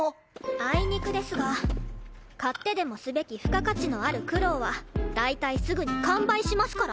あいにくですが買ってでもすべき付加価値のある苦労は大体すぐに完売しますから。